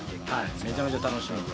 めちゃめちゃ楽しみですね。